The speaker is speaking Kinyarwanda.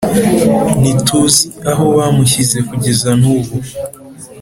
ntituzi aho bamushyize kugeza nubu